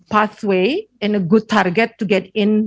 jalan lalu yang baik dan target yang baik